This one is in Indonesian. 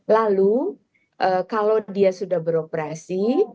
lalu kalau dia sudah beroperasi